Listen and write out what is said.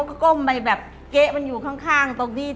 มึงท่าที่ห้ายก็จะติดข้างใน